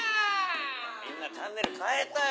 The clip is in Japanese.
みんなチャンネル替えたよ！